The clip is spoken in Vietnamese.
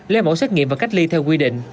lấy mẫu xét nghiệm và cách ly theo quy định